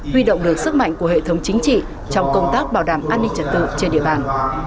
huy động được sức mạnh của hệ thống chính trị trong công tác bảo đảm an ninh trật tự trên địa bàn